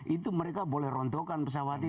itu mereka boleh rontokkan pesawat itu